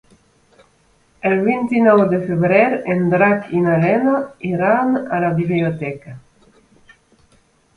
El vint-i-nou de febrer en Drac i na Lena iran a la biblioteca.